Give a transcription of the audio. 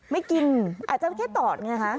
ไม่กินอาจจะแค่ตอดไงคะ